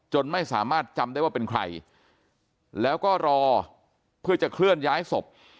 ไม่สามารถจำได้ว่าเป็นใครแล้วก็รอเพื่อจะเคลื่อนย้ายศพ